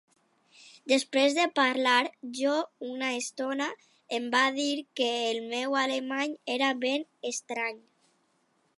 Després de parlar jo una estona em va dir que el meu alemany era ben estrany.